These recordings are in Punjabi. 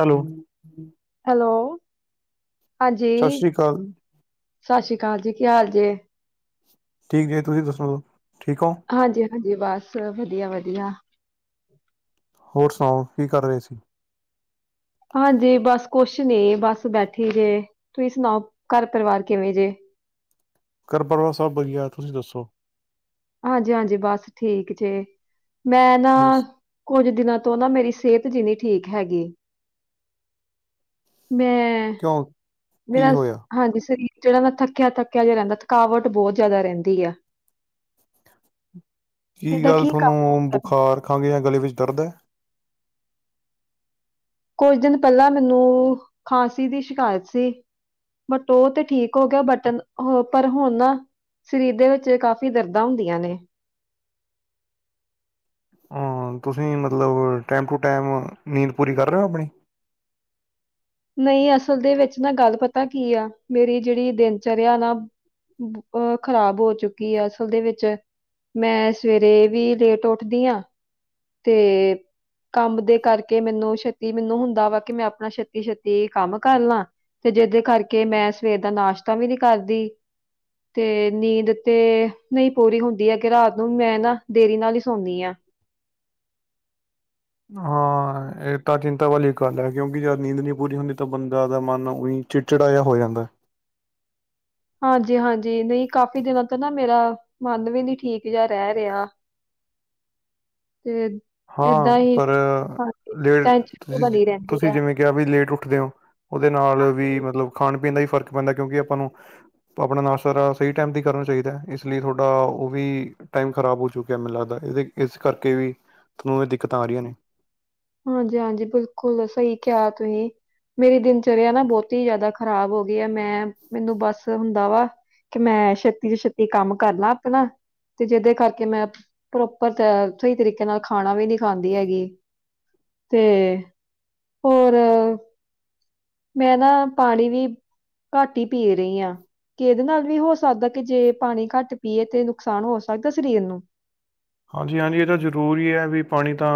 ਹੈਲੋ। ਹੈਲੋ। ਸਤਿ ਹਾਂਜੀ, ਸ੍ਰੀ ਅਕਾਲ। ਸਤਿ ਸ਼੍ਰੀ ਅਕਾਲ ਜੀ ਕੀ ਹਾਲ ਜੇ ਠੀਕ ਜੀ ਤੁਸੀਂ ਦੱਸੋ ਠੀਕ ਹੋ ਹਾਂਜੀ, ਹਾਂਜੀ ਬਸ ਵਧੀਆ, ਵਧੀਆ ਵਧੀਆ ਹੋਰ ਸੁਣਾਓ ਕੀ ਕਰ ਰਹੇ ਸੀ। ਹਾਂਜੀ ਬਸ ਕੁਛ ਨੇ ਬਸ ਬੈਠੀ ਜੇ ਤੁਸੀਂ ਸੁਣਾਓ ਘਰ ਪਰਿਵਾਰ ਕਿਵੇਂ ਜੇ ਘਰ ਪਰਿਵਾਰ ਸਭ ਵਧੀਆ ਤੁਸੀਂ ਦੱਸੋ ਹਾਂਜੀ, ਹਾਂਜੀ ਬਸ ਠੀਕ ਜੇ, ਮੈਂ ਨਾ ਬਸ ਕੁੱਝ ਦਿਨਾਂ ਤੋਂ ਨਾ ਮੇਰੀ ਸਿਹਤ ਜਿੰਨੀ ਠੀਕ ਹੈਗੀ। ਮੈਂ ਕਿਉਂ ਕੀ ਮੇਰਾ ਹੋਇਆ ਹਾਂਜੀ ਸਰੀਰ ਜਿਹੜਾ ਨਾਲ ਥੱਕਿਆ, ਥੱਕਿਆ ਜਿਹਾ ਰਹਿੰਦਾ ਥਕਾਵਟ ਬਹੁਤ ਜਿਆਦਾ ਰਹਿੰਦੀ ਹੈ। ਕੀ ਗੱਲ ਕਾਰਨ ਹੋ ਤੁਹਾਨੂੰ ਸਕਦਾ? ਬੁਖਾਰ ਖਾਂਘ ਜਾਂ ਗਲੇ ਵਿੱਚ ਦਰਦ ਹੈ। ਕੁਝ ਦਿਨ ਪਹਿਲਾਂ ਮੈਨੂੰ ਖਾਂਸੀ ਦੀ ਸ਼ਿਕਾਇਤ ਸੀ। ਬਟ ਉਹ ਤੇ ਠੀਕ ਹੋ ਗਿਆ ਬਟਨ ਪਰ ਹੁਣ ਸਰੀਰ ਦੇ ਵਿੱਚ ਕਾਫ਼ੀ ਦਰਦਾਂ ਹੁੰਦੀਆਂ ਨੇ। [inaudible] ਹੋਰ ਤੁਸੀਂ ਮਤਲਬ ਟਾਈਮ ਟੂ ਟਾਈਮ ਨੀਂਦ ਪੂਰੀ ਕਰ ਰਹੇ ਹੋ ਆਪਣੀ ਨਹੀਂ ਅਸਲ ਦੇ ਵਿੱਚ ਨਾ ਗੱਲ ਪਤਾ ਕੀ ਆ ਮੇਰੀ ਜਿਹੜੀ ਦਿਨ ਚਰਿਆ ਨਾ ਅਹ ਖ਼ਰਾਬ ਹੋ ਚੁੱਕੀ ਹੈ ਅਸਲ ਦੇ ਵਿੱਚ ਮੈਂ ਸਵੇਰੇ ਵੀ ਲੇਟ ਉੱਠਦੀ ਹਾਂ ਤੇ ਕੰਮ ਦੇ ਕਰਕੇ ਮੈਨੂੰ ਛੇਤੀ ਮੈਨੂੰ ਹੁੰਦਾ ਵਾ ਕਿ ਮੈਂ ਆਪਣਾ ਛੇਤੀ ਛੇਤੀ ਕੰਮ ਕਰ ਲਾਂ ਤੇ ਜਿਹਦੇ ਕਰਕੇ ਮੈਂ ਸਵੇਰ ਦਾ ਨਾਸ਼ਤਾ ਵੀ ਨਹੀ ਕਰਦੀ। ਤੇ ਨੀਂਦ ਤੇ ਨਹੀਂ ਪੂਰੀ ਹੁੰਦੀ ਹੈ, ਕਿ ਰਾਤ ਨੂੰ ਮੈਂ ਨਾ ਦੇਰੀ ਨਾਲ ਹੀ ਸੌਦੀ ਹਾਂ। ਹਾਂ ਇਹ ਤਾਂ ਚਿੰਤਾ ਵਾਲੀ ਗੱਲ ਹੈ ਕਿਉਂਕਿ ਜਦ ਨੀਂਦ ਨਹੀਂ ਪੂਰੀ ਹੁੰਦੀ ਤਾਂ ਬੰਦਾ ਦਾ ਮਨ ਉਹੀ ਚਿੜਚਿੜਾ ਜਿਹਾ ਹੋ ਜਾਂਦਾ ਏ। ਹਾਂਜੀ- ਹਾਂਜੀ ਨਹੀਂ ਕਾਫੀ ਦਿਨਾਂ ਤੋਂ ਨਾ ਮੇਰਾ ਮਨ ਵੀ ਨੀ ਠੀਕ ਜਿਹਾ ਰਹਿ ਰਿਹਾ। [inaudible] ਤੇ ਹਾਂ ਏਦਾਂ ਹੀ ਪਰ ਹਾਂਜੀ ਲੇਟ ਤੁ ਟੈਨਸ਼ਨ ਬਣੀ ਰਹਿੰਦੀ ਤੁਸੀਂ ਆ ਜਿਵੇਂ ਕਿਹਾ ਵੀ ਲੇਟ ਉੱਠਦੇ ਹੋ। ਉਹਦੇ ਨਾਲ ਵੀ ਮਤਲਬ ਖਾਣ ਪੀਣ ਦਾ ਹੀ ਫ਼ਰਕ ਪੈਂਦਾ ਕਿਉਂਕਿ ਆਪਾਂ ਨੂੰ ਆਪਣਾ ਨਾਸ਼ਤਾ ਸਹੀ ਟਾਈਮ ਦੀ ਕਰਨਾ ਚਾਹੀਦਾ ਹੈ, ਇਸ ਲਈ ਤੁਹਾਡਾ ਉਹ ਵੀ ਟਾਈਮ ਖਰਾਬ ਹੋ ਚੁੱਕਿਆ ਮੈਨੂੰ ਲੱਗਦਾ। ਇਹਦੇ ਇਸ ਕਰਕੇ ਵੀ ਤੁਹਾਨੂੰ ਇਹ ਦਿੱਕਤਾਂ ਆ ਰਹੀਆਂ ਨੇ। ਹਾਂਜੀ-ਹਾਂਜੀ ਬਿਲਕੁਲ ਸਹੀ ਕਿਹਾ ਤੁਸੀਂ ਮੇਰੀ ਦਿਨਚਰਿਆ ਨਾ ਬਹੁਤੀ ਹੀ ਜ਼ਿਆਦਾ ਖ਼ਰਾਬ ਹੋ ਗਈ ਆ ਮੈਂ ਮੈਨੂੰ ਬਸ ਹੁੰਦਾ ਵਾ ਕਿ ਮੈਂ ਛੇਤੀ ਤੋਂ ਛੇਤੀ ਕੰਮ ਕਰ ਲਾ ਆਪਣਾ ਤੇ ਜਿਹਦੇ ਕਰਕੇ ਮੈਂ ਪ੍ਰੋਪਰ ਅ ਸਹੀ ਤਰੀਕੇ ਨਾਲ ਖਾਣਾ ਵੀ ਨਹੀਂ ਖਾਂਦੀ ਹੈਗੀ। ਤੇ ਹੋਰ ਮੈਂ ਨਾ ਪਾਣੀ ਵੀ ਘੱਟ ਈ ਪੀ ਰਹੀ ਆ। ਕਿਹਦੇ ਨਾਲ ਵੀ ਹੋ ਸਕਦਾ ਕਿ ਜੇ ਪਾਣੀ ਘੱਟ ਪੀਏ ਤੇ ਨੁਕਸਾਨ ਹੋ ਸਕਦਾ ਸਰੀਰ ਨੂੰ ਹਾਂਜੀ -ਹਾਂਜੀ ਇਹਦਾ ਜ਼ਰੂਰੀ ਹੈ ਵੀ ਪਾਣੀ ਤਾਂ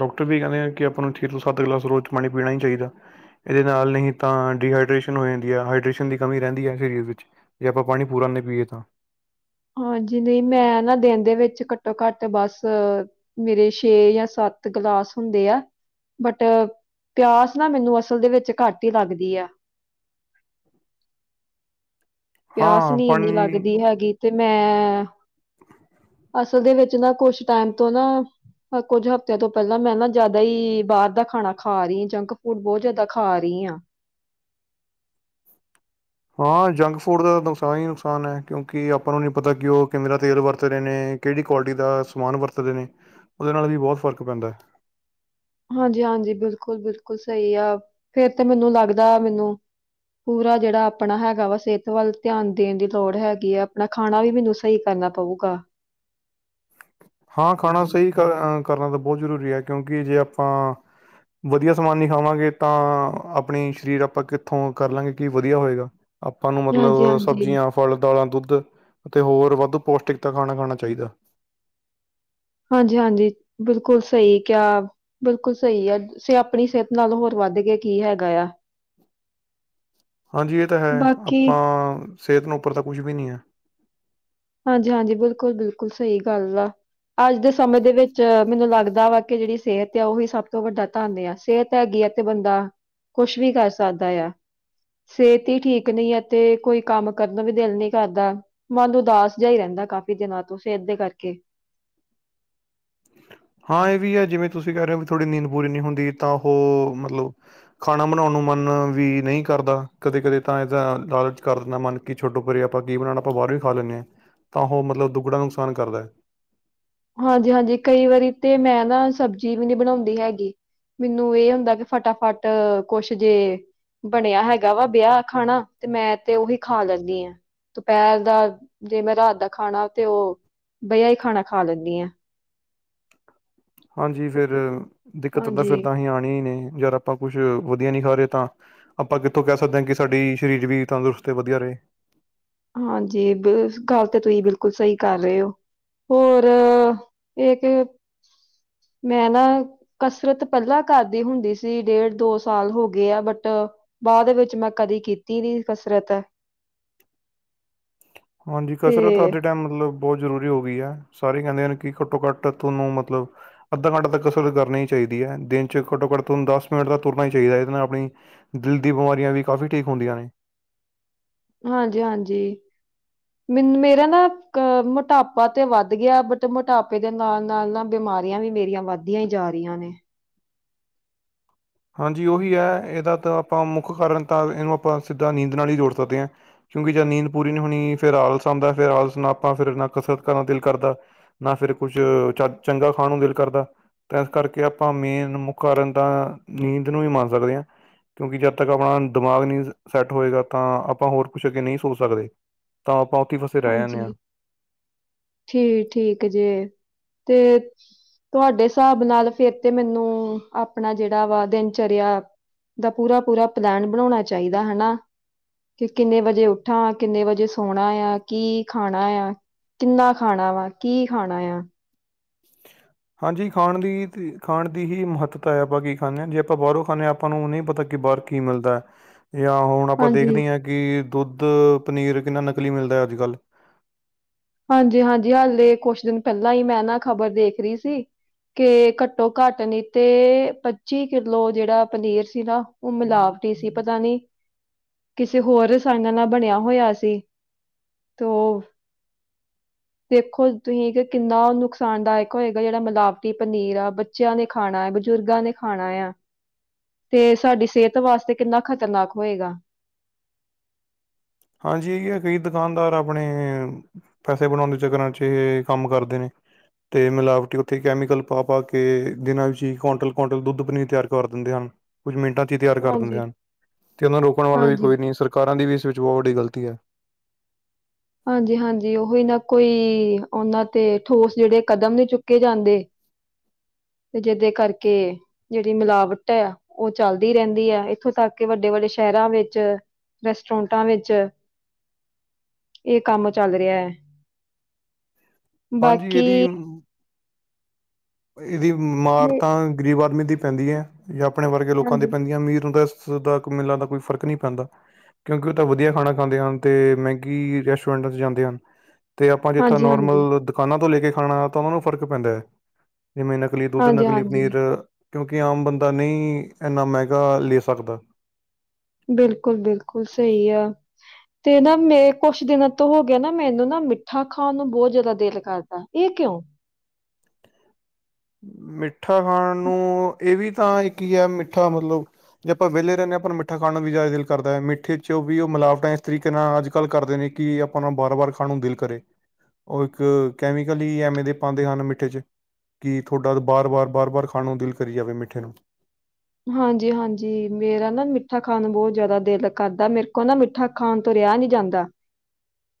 ਡਾਕਟਰ ਵੀ ਕਹਿੰਦੇ ਆ ਕਿ ਆਪਾਂ ਨੂੰ ਛੇ ਤੋ ਸੱਤ ਗਲਾਸ ਰੋਜ ਪ ਪੀਣਾ ਨਹੀਂ ਚਾਹੀਦਾ ਇਹਦੇ ਨਾਲ ਨਹੀਂ ਤਾਂ ਡੀਹਾਈਡਰੇਸ਼ਨ ਹੋ ਜਾਂਦੀ ਆ ਹਾਈਡਰੇਸ਼ਨ ਦੀ ਕਮੀ ਰਹਿੰਦੀ ਏ ਵਿ ਜੇ ਆਪਾਂ ਪਾਣੀ ਪੂੂਰਨ ਨਹੀਂ ਪੀਏ ਤਾਂ ਹਾਂਜੀ ਨਹੀਂ ਮੈਂ ਨਾ ਦਿਨ ਦੇ ਵਿੱਚ ਘੱਟੋ ਘੱਟ ਬਸ ਮੇਰੇ ਛੇ ਜਾਂ ਸੱਤ ਤੇ ਗਲਾਸ ਹੁੰਦੇ ਆ। ਬਟ ਪਿਆਸ ਨਾ ਮੈਨੂੰ ਅਸਲ ਦੇ ਵਿੱਚ ਘੱਟ ਹੀ ਲੱਗਦੀ ਆ। [inaudible] ਪਿਆਸ ਹਾਂ ਨਹੀਂ ਇਨੀ ਪਾਣੀ ਲੱਗਦੀ ਹੈਗੀ ਤੇ ਮੈਂ ਅਸਲ ਦੇ ਵਿੱਚ ਨਾ ਕੁਝ ਟਾਈਮ ਤੋਂ ਨਾ ਕੁਝ ਹਫਤਿਆਂ ਤੋਂ ਪਹਿਲਾਂ ਮੈਂ ਨਾ ਜਿਆਦਾ ਹੀ ਬਾਹਰ ਦਾ ਖਾਣਾ ਖਾ ਰਹੀ ਜਾਂਕ ਫੂਡ ਬਹੁਤ ਜਿਆਦਾ ਖਾ ਰਹੀ। ਈਹਾਂ ਹਾਂ ਯੰਗ ਫੂਡ ਦਾ ਨੁਕਸਾਨ ਹੀ ਨੁਕਸਾਨ ਹੈ ਕਿਉਂਕਿ ਆਪਾਂ ਨੂੰ ਨਹੀਂ ਪਤਾ ਕਿ ਉਹ ਕਿਵੇ ਦਾ ਤੇਲ ਵਰਤ ਰਹੇ ਨੇ। ਕਿਹੜੀ ਕੁਆਲਿਟੀ ਦਾ ਸਮਾਨ ਵਰਤਦੇ ਨੇ ਉਹਦੇ ਨਾਲ ਵੀ ਬਹੁਤ ਫਰਕ ਪੈਂਦਾ। ਹਾਂਜੀ- ਹਾਂਜੀ ਬਿਲਕੁਲ ਬਿਲਕੁਲ ਸਹੀ ਆ ਫਿਰ ਤੇ ਮੈਨੂੰ ਲੱਗਦਾ ਮੈਨੂੰ ਪੂਰਾ ਜਿਹੜਾ ਆਪਣਾ ਹੈਗਾ ਸਿਹਤ ਵੱਲ ਧਿਆਨ ਦੇਣ ਦੀ ਲੋੜ ਹੈਗੀ ਹ ਆਪਣਾ ਖਾਣਾ ਵੀ ਮੈਨੂੰ ਸਹੀ ਕਰ ਕਰਨਾ ਪਊਗਾ। ਹਾਂ ਖਾਣਾ ਸਹੀ ਕਰਨਾ ਤਾਂ ਬਹੁਤ ਜਰੂਰੀ ਹ ਕਿਉਂਕਿ ਜੇ ਆਪਾਂ ਵਧੀਆ ਸਮਾਨ ਨਹੀਂ ਖਾਵਾਂਗੇ ਤਾਂ ਆਪਣੀ ਸਰੀਰ ਆਪਾਂ ਕਿੱਥੋਂ ਕਰ ਲਾਂਗੇ ਕੀ ਵਧੀਆ ਹੋਏਗਾ। ਆਪਾਂ ਨੂੰ ਹਾਂਜੀ ਮਤਲਬ ਹਾਂਜੀ ਸਬਜ਼ੀਆਂ ਫਲ ਦਾਲਾਂ ਦੁੱਧ ਅਤੇ ਹੋਰ ਬੁੱਧ ਪੋਸਟਿਕ ਤਾਂ ਖਾਣਾ ਖਾਣਾ ਚਾਹੀਦਾ। ਹਾਂਜੀ -ਹਾਂਜੀ ਬਿਲਕੁਲ ਸਹੀ ਕਿਹਾ ਬਿਲਕੁਲ ਸਹੀ ਆ ਸੇ ਆਪਣੀ ਸਿਹਤ ਨਾਲ ਹੋਰ ਵੱਧ ਗਏ ਕੀ ਹੈਗਾ ਆ। ਹਾਂਜੀ ਇਹ ਤਾਂ ਹੈ ਬਾਕੀ ਆਪਾਂ ਸਿਹਤ ਨੂੰ ਉੱਪਰ ਤੱਕ ਕੁਝ ਵੀ ਨਹੀਂ ਆ ਹਾਂਜੀ ਹਾਂਜੀ ਬਿਲਕੁਲ ਬਿਲਕੁਲ ਸਹੀ ਗੱਲ ਆ। ਅੱਜ ਦੇ ਸਮੇਂ ਦੇ ਵਿੱਚ ਮੈਨੂੰ ਲੱਗਦਾ ਵਾ ਕਿ ਜਿਹੜੀ ਸਿਹਤ ਆ ਉਹ ਵੀ ਸਭ ਤੋਂ ਵੱਡਾ ਧਨ ਆ ਸਿਹਤ ਹੈ। ਤੇ ਬੰਦਾ-ਕੁਛ ਵੀ ਕਰ ਸਕਦਾ ਆ। ਸਿਹਤ ਠੀਕ ਨਹੀਂ ਅਤੇ ਕੋਈ ਕੰਮ ਕਰਨ ਵੀ ਦਿਲ ਨਹੀਂ ਕਰਦਾ ਮਨ ਉਦਾਸ। ਜਿਹਾ ਹੀ ਰਹਿੰਦਾ ਕਾਫੀ ਦਿਨਾਂ ਤੋਂ ਫਿਰ ਅੱਧੇ ਕਰਕੇ ਹੂੰ,,, ਹਾਂ ਇਹ ਵੀ ਆ ਜਿਵੇਂ ਤੁਸੀਂ ਕਹਿ ਰਹੇ ਹੋ ਥੋੜੀ ਨੀਂਦ ਪੂਰੀ ਨਹੀਂ ਹੁੰਦੀ ਤਾਂ ਉਹ ਮਤਲਬ ਖਾਣਾ ਬਣਾਉਣ ਨੂੰ। ਵੀ ਨਹੀਂ ਕਰਦਾ ਕਦੇ ਕਦੇ ਤਾਂ ਇਹਦਾ ਲਾਲਚ ਕਰ ਦਿੰਦਾ ਮਨ ਕੀ ਛੱਡੋ ਪਰੇ ਆਪਾਂ ਕੀ ਬਣਾਉਣਾ ਆਪਾਂ ਬਾਰੇ। ਖਾ ਲੈਦੇ ਆ ਤਾਂ ਉਹ ਮਤਲਬ ਦੁਗਣਾ ਨੁਕਸਾਨ ਕਰਦਾ। ਹਾਂਜੀ ਹਾਂਜੀ ਕਈ ਵਾਰੀ ਤੇ ਮੈਂ ਨਾ ਸਬਜੀ ਵੀ ਨਹੀਂ ਬਣਾਉਂਦੀ ਹੈਗੀ ਮੈਨੂੰ ਇਹ ਹੁੰਦਾ ਕਿ ਫਟਾਫਟ ਕੁਛ ਜੇ ਬਣਿਆ ਹੈਗਾ ਬੇਹਿਆ ਖਾਣਾ ਤੇ ਮੈਂ ਤੇ ਉਹੀ ਖਾ ਲੈਦੀ ਆ ਦੁਪਹਿਰ ਦਾ ਜੇ ਮੈਂ ਰਾਤ ਦਾ ਖਾਣਾ ਤੇ ਉਹ ਬ ਖਾਣਾ। ਖਾ ਲੈਂਦੀ ਹਾਂ। ਹਾਂਜੀ ਫਿਰ ਦਿੱਕਤ ਹੁੰਦਾ ਫਿਰ ਹਾਂਜੀ ਤਾਂ ਅਸੀਂ ਆਣੀ ਨੇ ਯਾਰ ਆਪਾਂ ਕੁਝ ਉਹਦੀਆਂ ਨਹੀਂ ਖਾ ਰਹੇ ਤਾਂ ਆਪਾਂ ਕਿੱਥੋਂ ਕਹਿ ਸਕਦੇ ਆ ਕਿ ਸਾਡੀ ਸਰੀਰ ਵੀ ਤੰਦਰੁਸਤ ਤੇ ਵਧੀਆ ਰਹੇ। [inaudible] ਹਾਂਜੀ ਇਸ ਗੱਲ ਤੇ ਤੁਸੀਂ ਬਿਲਕੁਲ ਸਹੀ ਕਰ ਰਹੇ ਹੋ। ਹੋਰ-ਇਹ ਮੈਂ ਨਾ ਕਸਰਤ ਪਹਿਲਾਂ ਕਰਦੀ ਹੁੰਦੀ ਸੀ ਡੇਢ ਦੋ ਸਾਲ ਹੋ ਗਏ ਆ ਬਟ ਬਾਅਦ ਦੇ ਵਿੱਚ ਮੈਂ ਕਦੀ ਕੀਤੀ ਨਹੀਂ ਕਸਰਤ ਹਾਂਜੀ ਕਸਰਤ ਤੇ ਆਦੀ ਟਾਈਮ ਮਤਲਬ ਉਹ ਜਰੂਰੀ ਹੋ ਗਈ ਆ ਸਾਰੇ ਕਹਿੰਦੇ ਕੀ ਘੱਟੋ ਘੱਟ ਤੁਹਾਨੂੰ ਮਤਲਬ ਅੱਧਾ ਘੰਟਾ ਤੱਕ ਅਸਰ ਕਰਨਾ ਹੀ ਚਾਹੀਦਾ। ਦਿਨ ਚ ਘੱਟੋ ਘੱਟ ਤੁਹਾਨੂੰ ਦਸ਼ ਮਿੰਟ ਦਾ ਤੁਰਨਾ ਹੀ ਚਾਹੀਦਾ ਇਹਦੇ ਨਾਲ ਆਪਣੀ ਦਿਲ ਦੀ ਬਿਮਾਰੀਆਂ ਦੀ ਕਾਫੀ ਠੀਕ ਹੁੰਦੀ। [unintelligible] ਹਾਂਜੀ- ਹਾਂਜੀ। ਮੈਨੂੰ ਮੇਰਾ ਨਾ ਅਹ ਮੋਟਾਪਾ ਤੇ ਵੱਧ ਗਿਆ। ਬਟ ਮੋਟਾਪੇ ਦੇ ਨਾਲ- ਨਾਲ ਨਾ ਬਿਮ ਆਰੀਆਂ ਵੀ ਮੇਰੀਆਂ ਵੱਧਦੀਆਂ ੲ ਜਾ ਰੀਆਂ ਨੇ। ਹਾਂਜੀ ਉਹੀ ਹੈ ।ਇਹਦਾ ਤਾਂ ਆਪਾਂ ਮੁੱਖ ਕਾਰਨ ਤਾਂ ਇਹਨੂੰ ਆਪਾਂ ਸਿੱਧਾ ਨੀਂਦ ਨਾਲ ਹੀ ਜੋੜ ਸਕਦੇ ਹਾਂ। ਕਿਉਂਕਿ ਜਦ ਨੀਂਦ ਪੂਰੀ ਨੀ ਹੋਣੀ ਫਿਰ ਆਲਸ ਆਂਦਾ ਫਿਰ ਆਲਸ ਨਾ ਆਪਾਂ ਫਿਰ ਨਾ ਕਸਰਤ ਕਰਨ ਦਿਲ ਕਰਦਾ। ਨਾ ਫਿਰ ਫ ਕੁਛ ਚਗ ਚੰਗਾ ਖਾਣ ਨੂੰ ਦਿਲ ਕਰਦਾ ਤਾਂ ਇਸ ਕਰਕੇ ਆਪਾਂ ਮੇਨ ਮੁੱਖ ਕਾਰਨ ਤਾਂ ਨੀਂਦ ਨੂੰ ਈ ਮਨ ਸਕਦੇ ਹਾਂ। ਕਿਉਂਕਿ ਜਦ ਤੱਕ ਆਪਣਾ ਦਿਮਾਗ ਨਹੀਂ ਸੈੱਟ ਹੋਏਗਾ ਤਾਂ ਆਪਾਂ ਹੋਰ ਕੁਛ ਅੱਗੇ ਨਹੀਂ ਸੋਚ ਸਕਦੇ। ਤਾਂ ਆਪਾਂ ਉੱਥੇ ਫਸੇ ਰਹਿ ਜਾਂਦੇ ਹਾਂਜੀ ਹਾਂ। ਠੀਕ- ਠੀਕ ਜੇ ਤੇ ਤੁਹਾਡੇ ਸਾਬ ਨਾਲ ਫੇਰ ਤੇ ਮੈਨੂੰ ਆਪਣਾ ਜਿਹੜਾ ਵਾ ਦਿਨਚਰਿਆ ਦਾ ਪੂਰਾ- ਪੂਰਾ ਪਲੈਨ ਬਣਾਉਣਾ ਚਾਹੀਦਾ ਹਨਾ। ਕਿ ਕਿੰਨੇ ਵਜੇ ਉੱਠਾ, ਕਿੰਨੇ ਵਜੇ ਸੋਣਾ ਆ। ਕੀ ਖਾਣਾ ਐ, ਕਿੰਨਾ ਖਾਣਾ ਵਾ, ਕੀ ਖਾਣਾ ਆ। ਹਾਂਜੀ ਖਾਣ ਦੀ ਤੀ ਖਾਣ ਦੀ ਹੀ ਮਹੱਤਤਾ ਹੈ ਆਪਾਂ ਕੀ ਖਾਂਨੇ ਆ ਜੇ ਆਪਾਂ ਬਾਹਰੋਂ ਖਾਂਨੇ ਆ ਆਪਾਂ ਨੂੰ ਨਹੀਂ ਪਤਾ ਕਿ ਕਿ ਬਾਹਰ ਕੀ ਮਿਲਦੈ ਯਾ ਹੁਣ ਆਪਾਂ ਹਾਂਜੀ ਦੇਖਦੇ ਹਾਂ ਕਿ ਦੁੱਧ, ਪਨੀਰ ਕਿੰਨਾ ਨਕਲੀ ਮਿਲਦਾ ਅੱਜ ਕਲ। ਹਾਂਜੀ- ਹਾਂਜੀ ਹਾਲੇ ਕੁਛ ਦਿਨ ਪਹਿਲਾਂ ਹੀ ਮੈਂ ਨਾ ਖ਼ਬਰ ਦੇਖ ਰਹੀ ਸੀ ਕੇ ਘੱਟੋ- ਘੱਟ ਨੀ ਤੇ ਪੱਚੀ ਕਿਲੋ ਜਿਹੜਾ ਪਨੀਰ ਸੀ ਨਾ ਉਹ ਮਿਲਾਵਟੀ ਸੀ ਪਤਾ ਨੀ ਕਿਸੇ ਹੋਰ ਰਸਾਇਣਾ ਨਾਲ ਬਣਿਆ ਹੋਇਆ ਸੀ ਤੋ [unintelligible] ਦੇਖੋ ਤੁਹੀ ਕਿ ਕਿੰਨਾ ਨੁਕਸਾਨ ਦਾਇਕ ਹੋਏਗਾ ਜਿਹੜਾ ਮਿਲਾਵਟੀ ਪਨੀਰ ਆ ਬੱਚਿਆਂ ਨੇ ਖਾਣਾ ਐ। ਬਜ਼ੁਰਗਾਂ ਨੇ ਖਾਣਾ ਯਾ। ਤੇ ਸਾਡੀ ਸਿਹਤ ਵਾਸਤੇ ਕਿੰਨਾ ਖ਼ਤਰਨਾਕ ਹੋਏਗਾ। [unintelligible] ਹਾਂਜੀ ਏਹੀ ਆ ਕਈ ਦੁਕਾਨਦਾਰ ਆਪਣੇ ਪੈਸੇ ਬਣਾਉਣ ਦੇ ਚੱਕਰਾਂ ਚ ਇਹ ਕੰਮ ਕਰਦੇ ਨੇ। ਤੇ ਮਿਲਾਵਟੀ ਉੱਥੇ ਕੈਮੀਕਲ ਪਾ- ਪਾ ਕੇ ਦਿਨਾਂ ਵਿੱਚ ਹੀ ਕੁਆਂਟਲ -ਕੁਆਂਟਲ ਦੁੱਧ ਪਨੀਰ ਤਿਆਰ ਕਰ ਦਿੰਦੇ ਹਨ। ਕੁੱਝ ਮਿੰਟਾਂ ਚ ਹੀ ਤਿਆਰ ਕਰ ਦਿੰਦੇ ਹਾਂਜੀ ਹਨ ਤੇ ੳਨਹਾ ਰੋਕਣ ਵਾਲਾ ਵੀ ਹਾਂਜੀ ਕੋਈ ਨੀ। ਸਰਕਾਰਾਂ ਦੀ ਵੀ ਇਸ ਵਿੱਚ ਥੋਡੀ ਗ਼ਲਤੀ ਐ । ਹਾਂਜੀ -ਹਾਂਜੀ ਉਹੀ ਨਾ ਕੋਈ ਔਨਾ ਤੇ ਠੋਸ ਜਿਹੜੇ ਕਦਮ ਨੀ ਚੁੱਕੇ ਜਾਂਦੇ। ਤੇ ਜਿਦੇ ਕਰਕੇ ਜਿਹੜੀ ਮਿਲਾਵਟ ਹੈ, ਉਹ ਚੱਲਦੀ ਰਹਿੰਦੀ ਹੈ ਇੱਥੋਂ ਤੱਕ ਕਿ ਵੱਡੇ ਵੱਡੇ ਸ਼ਹਿਰਾਂ ਵਿੱਚ ਰੈਸਟਰੈਂਟਾਂ ਵਿੱਚ ਇਹ ਕੰਮ ਚੱਲ ਰਿਹਾ ਏ । ਹਾਂਜੀ ਇਹਦੀ ਇਹਦੀ ਮਾਰ ਨੇ- ਤਾਂ ਗਰੀਬ ਆਦਮੀ ਦੀ ਪੈਂਦੀ ਹੈ ਜਾਂ ਆਪਣੇ ਵਰਗੇ ਲੋਕਾਂ ਤੇ ਹਾਂਜੀ ਪੈਂਦੀ ਐ। ਅਮੀਰ ਨੂੰ ਤੇ ਦੋ ਦਾ ਕ ਮੇਲਾਂ ਦਾ ਕੋਈ ਫ਼ਰਕ ਨਹੀਂ ਪੈਂਦਾ। ਕਿਉਂਕਿ ਉਹ ਤਾਂ ਵਧੀਆ ਖਾਣਾ ਖਾਂਦੇ ਹਨ ਤੇ ਮਹਿੰਗੀ ਰੈਸਟੋਰੈਂਟਾਂ 'ਚ ਜਾਂਦੇ ਹਨ। ਤੇ ਆਪਾਂ ਜਿੱਥੋਂ ਹਾਂਜੀ ਹਾਂਜੀ ਨੋਰਮਲ ਦੁਕਾਨਾਂ ਤੋਂ ਲੈ ਕੇ ਖਾਣਾ ਤਾਂ ਉਹ ਨੂੰ ਫ਼ਰਕ ਪੈਂਦੈ। ਜਿਵੇਂ ਨਕਲੀ ਦੁੱਧ, ਹਾਂਜੀ ਨਕਲੀ ਪਨੀਰ,, ਹਾਂਜੀ ਕਿਉਂਕਿ ਆਮ ਬੰਦਾ ਨਈ ਇੰਨਾ ਮਹਿੰਗਾ ਲੇ ਸਕਦਾ। ਬਿਲਕੁਲ- ਬਿਲਕੁਲ ਸਹੀ ਆ । ਤੇ ਨਾ ਮੇ ਕੁਸ਼ ਦਿਨਾਂ ਤੋਂ ਹੋ ਗਿਆ ਨਾ ਮੈਨੂੰ ਨਾ ਮਿੱਠਾ ਖਾਣ ਨੂੰ ਬਹੁਤ ਜਾਦਾ ਦਿਲ ਕਰਦਾ। ਇਹ ਕਿਉ। ਮਿੱਠਾ ਖਾਣ ਨੂੰ ਇਹ ਵੀ ਤਾਂ ਇਕ ਹੀ ਹੈ ਮਿੱਠਾ ਮਤਲਬ ਜੇ ਆਪਾਂ ਵਿਹਲੇ ਰਹਿਨੇ। ਆਪਾਂ ਨੂੰ ਮਿੱਠਾ ਖਾਣਾ ਵੀ ਜ਼ਿਆ ਦਿਲ ਕਰਦਾ ਹੈ ।ਮਿੱਠੇ ਚ ਵੀ ਉਹ ਮਿਲਾਵਟਾਂ ਇਸ ਤਰੀਕੇ ਨਾਲ ਅੱਜ ਕੱਲ ਕਰਦੇ ਨੇ ਕਿ ਆਪਾਂ ਨੂੰ ਬਾਰਾਂ ਵਾਰ ਖਾਣ ਨੂੰ ਦਿਲ ਕਰੇ ਉਹ ਇੱਕ ਕੈਮੀਕਲ ਹੀ ਐਵੇਂ ਦੇ ਪਾਂਦੇ ਹਨ ਮਿੱਠੇ ਚ ਕਿ ਤੁਹਾਡਾ ਵਾਰ- ਵਾਰ, ਵਾਰ -ਵਾਰ ਖਾਣ ਨੂੰ ਦਿਲ ਕਰੀ ਜਾਵੇ ਮਿੱਠੇ ਨੂੰ। ਹਾਂਜੀ- ਹਾਂਜੀ ਮੇਰਾ ਨਾ ਮਿੱਠਾ ਖਾਣ ਬਹੁਤ ਜ਼ਿਆਦਾ ਦਿਲ ਕਰਦਾ ਮੇਰੇ ਕੋ ਨਾ ਮਿੱਠਾ ਖਾਣ ਤੋਂ ਰਿਆ ਰਿਹਾ ਨੀ ਜਾਂਦਾ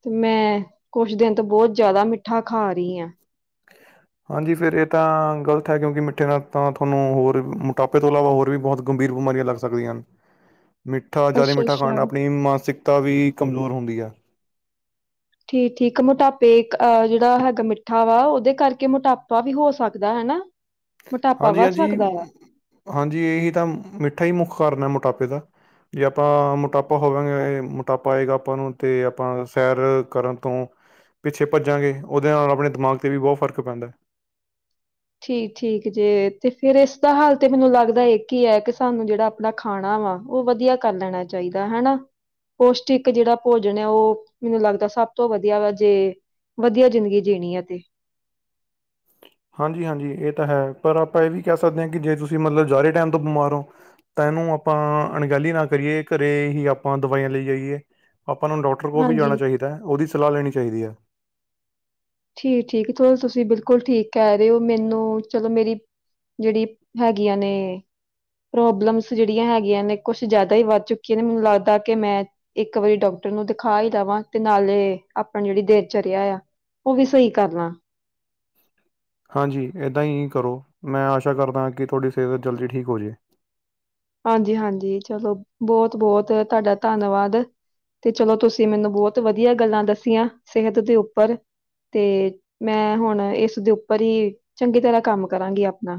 ਤੇ ਮੈਂ ਕੁਛ ਦਿਨ ਤੋਂ ਬਹੁਤ ਜ਼ਿਆਦਾ ਮਿੱਠਾ ਖਾ ਰੀ ਆਂ [unintelligible] ਹਾਂਜੀ ਫਿਰ ਇਹ ਤਾਂ ਗ਼ਲਤ ਹੈ ਕਿਉਂਕਿ ਮਿੱਠੇ ਨਾਲ ਤਾਂ ਤੁਹਾਨੂੰ ਹੋਰ ਮੋਟਾਪੇ ਤੋਂ ਇਲਾਵਾ ਹੋਰ ਵੀ ਬਹੁਤ ਗੰਭੀਰ ਬਿਮਾਰੀਆਂ ਲੱਗ ਸਕਦੀਆਂ ਹਨ ਮਿੱਠਾ ਜ਼ਿਆਦਾ ਅੱਛਾ ਮਿੱਠਾ ਖਾਣ ਅੱਛਾ ਨਾਲ ਆਪਣੀ ਮਾਨਸਿਕਤਾ ਵੀ ਕਮਜ਼ੋਰ ਹੁੰਦੀ ਆ ਠੀਕ ਠੀਕ ਮੋਟਾਪੇ ਜਿਹੜਾ ਹੈਗਾ ਮਿੱਠਾ ਵਾ ਉਹਦੇ ਕਰਕੇ ਮੋਟਾਪਾ ਵੀ ਹੋ ਸਕਦਾ ਹਨਾ ਹਾਂਜੀ ਹਾਂਜੀ ਹਾਂਜੀ ਇਹੀ ਤਾਂ ਮਿੱਠਾ ਹੀ ਮੁੱਖ ਕਾਰਨ ਹੈ ਮੋਟਾਪੇ ਦਾ ਜੇ ਆਪਾਂ ਮੋਟਾਪਾ ਹੋਵਾਂਗੇ ਮੋਟਾਪਾ ਆਏਗਾ ਆਪਾਂ ਨੂੰ ਤੇ ਆਪਾਂ ਸੈਰ ਕਰਨ ਤੋਂ ਪਿੱਛੇ ਭੱਜਾਂਗੇ ਉਹਦੇ ਨਾਲ ਆਪਣੇ ਦਿਮਾਗ ਤੇ ਵੀ ਬਹੁਤ ਫ਼ਰਕ ਪੈਂਦਾ ਹੈ ਠੀ ਠੀਕ ਜੇ ਤੇ ਫੇਰ ਇਸਦਾ ਹਾਲ ਤੇ ਮੈਨੂੰ ਲੱਗਦਾ ਇੱਕ ਹੀ ਹੈ ਕਿ ਸਾਨੂੰ ਜਿਹੜਾ ਆਪਣਾ ਖਾਣਾ ਵਾ ਉਹ ਵਧੀਆ ਕਰ ਲੈਣਾ ਚਾਹੀਦਾ ਹਨਾ ਪੌਸ਼ਟਿਕ ਜਿਹੜਾ ਭੋਜਨ ਹੈ ਉਹ ਮੈਨੂੰ ਲੱਗਦਾ ਸਭ ਤੋਂ ਵਧੀਆ ਵਾ ਜੇ ਵਧੀਆ ਜ਼ਿੰਦਗੀ ਜੀਣੀ ਅ ਤੇ [unintelligible] ਹਾਂਜੀ ਹਾਂਜੀ ਇਹ ਤਾਂ ਹੈ ਪਰ ਆਪਾਂ ਇਹ ਵੀ ਕਹਿ ਸਕਦੇ ਹਾਂ ਕਿ ਜੇ ਤੁਸੀਂ ਮਤਲਬ ਜ਼ਦਾ ਟਾਈਮ ਤੋਂ ਬਿਮਾਰ ਹੋ ਤਾਂ ਇਹਨੂੰ ਆਪਾਂ ਅਣਗਹਿਲੀ ਨਾ ਕਰੀਏ ਘਰੇ ਹੀ ਆਪਾਂ ਦਵਾਈਆਂ ਲਈ ਜਾਈਏ ਆਪਾਂ ਨੂੰ ਡਾਕਟਰ ਕੋਲ ਵੀ ਜਾਣਾ ਹਾਂਜੀ ਚਾਹੀਦਾ ਉਹਦੀ ਸਲਾਹ ਲੈਣੀ ਚਾਹੀਦੀ ਐ ਠੀਕ ਠੀਕ ਚ ਤੁਸੀਂ ਬਿਲਕੁਲ ਠੀਕ ਕਹਿ ਰਹੇ ਹੋ ਮੈਨੂੰ ਚਲੋ ਮੇਰੀ ਜਿਹੜੀ ਹੈਗੀਆਂ ਨੇ ਪ੍ਰੋਬਲਮਸ ਜਿਹੜੀਆਂ ਹੈਗੀਆਂ ਨੇ ਕੁਛ ਜਿਆਦਾ ਹੀ ਵੱਧ ਚੁੱਕੀਆਂ ਨੇ ਮੈਨੂੰ ਲੱਗਦਾ ਕਿ ਮੈਂ ਇੱਕ ਵਾਰੀ ਡਾਕ ਨੂੰ ਦਿਖਾ ਹੀ ਦੇਵਾਂ ਤੇ ਨਾਲੇ ਆਪਣਾ ਜਿਹੜੀ ਦੇਨਚਰਿਆ ਆ ਉਹ ਵੀ ਸਹੀ ਕਰ ਨਾ ਹਾਂਜੀ ਇੱਦਾਂ ਹੀ ਕਰੋ ਮੈਂ ਆਸ਼ਾ ਕਰਦਾਾਂ ਕਿ ਤੁਹਾਡੀ ਸਿਹਤ ਜਲਦੀ ਠੀਕ ਹੋ ਜਾਵੇ ਹਾਂਜੀ ਹਾਂਜੀ ਚਲੋ ਬਹੁਤ ਬਹੁਤ ਤੁਹਾਡਾ ਧੰਨਵਾਦ ਤੇ ਚਲੋ ਤੁਸੀਂ ਮੈਨੂੰ ਬਹੁਤ ਵਧੀਆ ਗੱਲਾਂ ਦੱਸੀਆਂ ਸਿਹਤ ਦੇ ਉੱਪਰ ਤੇ ਮੈਂ ਹੁਣ ਇਸਦੇ ਉੱਪਰ ਹੀ ਚੰਗੀ ਤਰ੍ਹਾਂ ਕੰਮ ਕਰਾਂਗੀ ਆਪਣਾ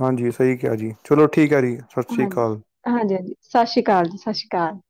ਹਾਂਜੀ ਸਹੀ ਕਿਹਾ ਜੀ ਚਲੋ ਠੀਕ ਹੈ ਜੀ ਸਤਿ ਸ਼੍ਰੀ ਹਾਂਜੀ ਅਕਾਲ ਹਾਂਜੀ ਹਾਂਜੀ ਸਤਿ ਸ਼੍ਰੀ ਅਕਾਲ ਜੀ ਸਤਿ ਸ਼੍ਰੀ ਅਕਾਲ ਕਾ